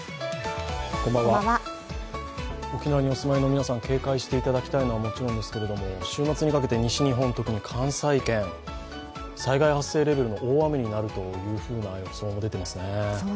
沖縄にお住まいの皆さん、警戒していただきたいのはもちろんですけど週末にかけて西日本、特に関西圏、災害発生レベルの大雨になるというふうな予想も出ていますね。